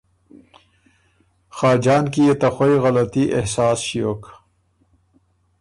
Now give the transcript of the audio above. خاجان کی يې ته خوئ غلطي احساس ݭیوک